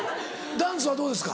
ダンスはどうですか？